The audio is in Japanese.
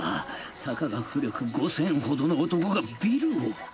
たかが巫力５０００ほどの男がビルを！